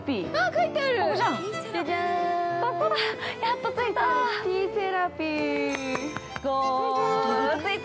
やっと着いた。